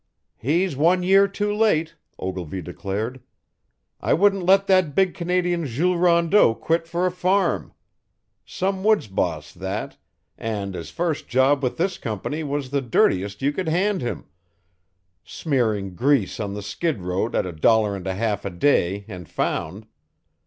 "He's one year too late," Ogilvy declared. "I wouldn't let that big Canadian Jules Rondeau quit for a farm. Some woods boss, that and his first job with this company was the dirtiest you could hand him smearing grease on the skid road at a dollar and a half a day and found.